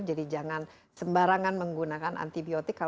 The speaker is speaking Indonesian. jangan sembarangan menggunakan antibiotik